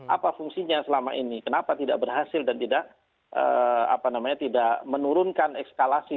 apa fungsinya selama ini kenapa tidak berhasil dan tidak menurunkan ekskalasi